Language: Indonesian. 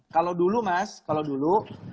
kalau dulu mas kalau dulu